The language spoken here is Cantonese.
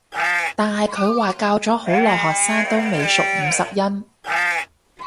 但係佢話教咗好耐學生都未熟五十音